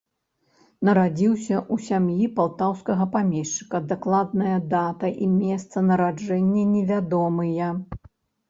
Нарадзіўся ў сям'і палтаўскага памешчыка, дакладная дата і месца нараджэння невядомыя.